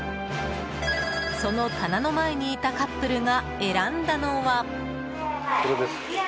その棚の前にいたカップルが選んだのは。